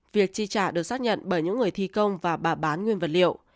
việc chi trả được xác nhận bởi những người thi công và bà bán nguyên vật liệu